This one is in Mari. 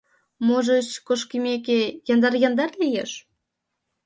Можыч, кошкымеке, яндар-яндар лиеш?